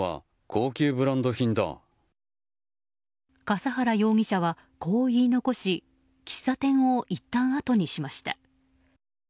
笠原容疑者はこう言い残し喫茶店をいったんあとにしました。